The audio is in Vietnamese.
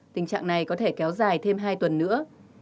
tình trạng này có thể kéo dài thêm hai tuần nữa